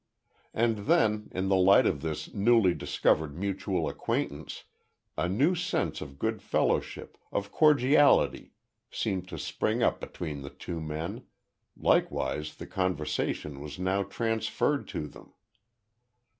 And then, in the light of this newly discovered mutual acquaintance, a new sense of good fellowship, of cordiality seemed to spring up between the two men likewise the conversation was now transferred to them.